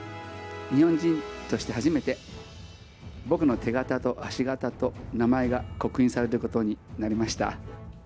日本人として初めて僕の手形と足形と名前が刻印されることになりました。